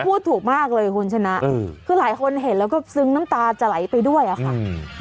พูดถูกมากเลยคุณชนะคือหลายคนเห็นแล้วก็ซึ้งน้ำตาจะไหลไปด้วยอะค่ะ